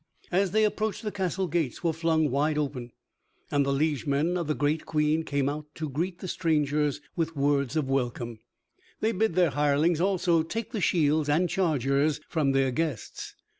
As they approached the castle gates were flung wide open, and the liegemen of the great Queen came out to greet the strangers with words of welcome. They bid their hirelings also take the shields and chargers from their guests.